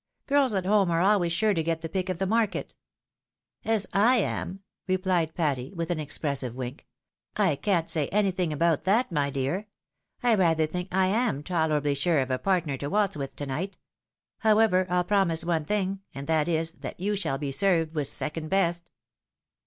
Girls at home are always sure to get the pick of the market !"" As / am," replied Patty, with an expressive wink. " I can't say anything about that, my dear ; I rather think I am tolerably sure of a partner to waltz with to night. However, I'll promise one thing, and that is, that you shall be served with second best."